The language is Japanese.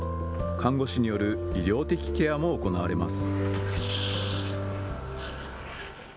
看護師による医療的ケアも行われます。